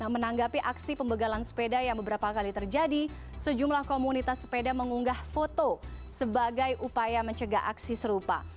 menanggapi aksi pembegalan sepeda yang beberapa kali terjadi sejumlah komunitas sepeda mengunggah foto sebagai upaya mencegah aksi serupa